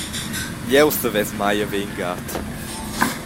Jeu savess mai haver in gat.